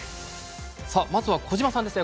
まずは小島さんですね。